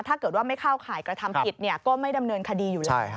ถ้าเกิดว่าไม่เข้าข่ายกระทำผิดก็ไม่ดำเนินคดีอยู่แล้ว